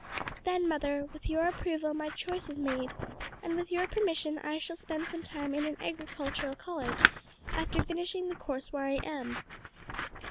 "Then, mother, with your approval my choice is made; and with your permission I shall spend some time in an agricultural college, after finishing the course where I am."